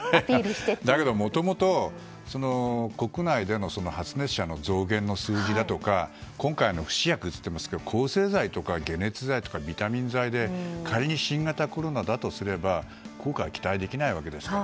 だけど、もともと国内での発熱者の増減の数字とか今回の不死薬って言っていますけど抗生剤とか解熱剤とかビタミン剤で仮に新型コロナだとすれば効果は期待できないわけですよ。